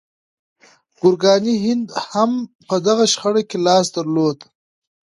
ګورګاني هند هم په دغه شخړه کې لاس درلود.